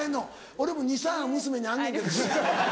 俺も２３娘にあんねんけどそれ。